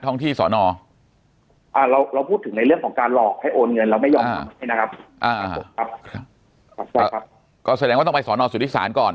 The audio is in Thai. ท่องที่สนเราพูดถึงในเรื่องของการหลอกให้โอนเงินเราไม่ยอมนะครับก็แสดงว่าต้องไปสนสถิษฐานก่อน